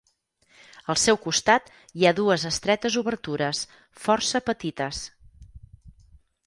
Al seu costat hi ha dues estretes obertures, força petites.